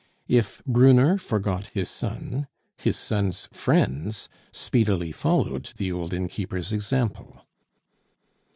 If Brunner forgot his son, his son's friends speedily followed the old innkeeper's example.